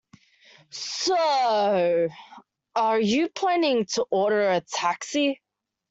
So, are you planning to order a taxi?